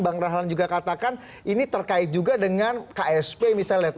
bang rahlan juga katakan ini terkait juga dengan ksp misalnya